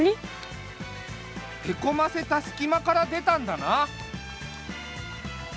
へこませたすきまからでたんだな。